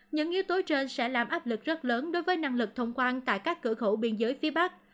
những yếu tố trên sẽ làm áp lực rất lớn đối với năng lực thông quan tại các cửa khẩu biên giới phía bắc